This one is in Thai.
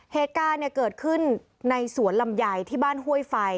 เหตุการณ์เกิดขึ้นในสวนลำไยที่บ้านห้วยไฟ